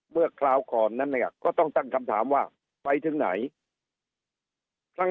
คราวก่อนนั้นเนี่ยก็ต้องตั้งคำถามว่าไปถึงไหน